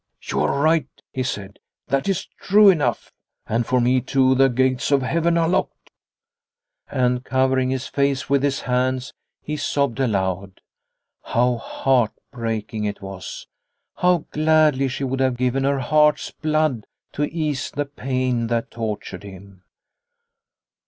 " You are right," he said ;" that is true enough. And for me, too, the gates of heaven are locked !" And covering his face with his hands he sobbed aloud. How heartbreaking it was ! How gladly she would have given her heart's blood to ease the pain that tortured him.